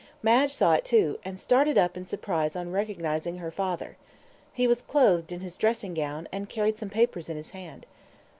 Madge saw it too, and started up in surprise on recognising her father. He was clothed in his dressing gown, and carried some papers in his hand.